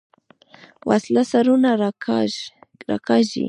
وسله سرونه راکاږي